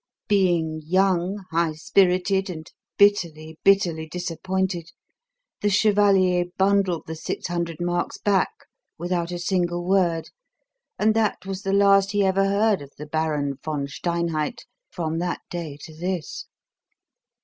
Being young, high spirited, and bitterly, bitterly disappointed, the chevalier bundled the six hundred marks back without a single word, and that was the last he ever heard of the Baron von Steinheid from that day to this."